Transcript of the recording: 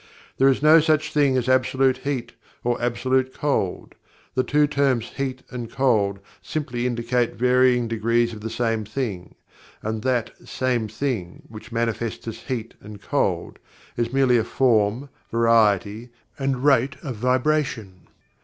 There is no such thing as "absolute heat" or "absolute cold" the two terms "heat" and "cold" simply indicate varying degrees of the same thing, and that "same thing" which manifests as "heat" and "cold" is merely a form, variety, and rate of Vibration.